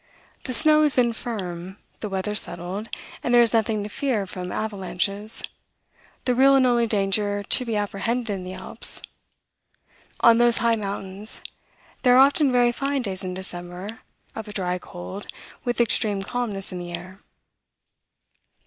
The snow is then firm, the weather settled, and there is nothing to fear from avalanches, the real and only danger to be apprehended in the Alps. On those high mountains, there are often very fine days in December, of a dry cold, with extreme calmness in the air."